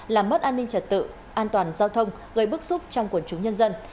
làm mất an ninh trật tự an toàn giao thông gây bức xúc trong quần chúng nhân dân